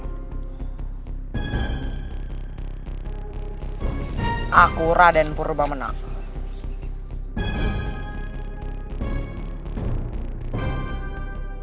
aku raden purbamena